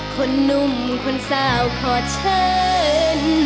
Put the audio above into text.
หนุ่มคนสาวขอเชิญ